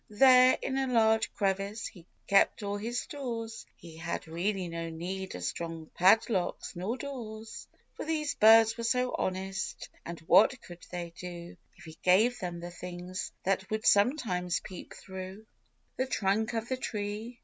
There, in a large crevice, he kept all his stores ; He had really no need of strong padlocks nor doors ; For these birds were so honest; and what could they do, If he gave them the things that would sometimes peep through 104 THE OLD MAGPIE. The trunk of the tree.